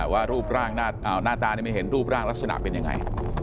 ว่ารูปร่างหน้าตาไม่เห็นรูปร่างลักษณะเป็นยังไง